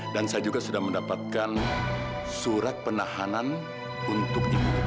dan saya juga sudah mendapatkan surat penahanan untuk ibu utari dan pak wisnu